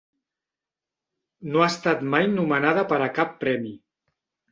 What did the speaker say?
No ha estat mai nomenada per a cap premi.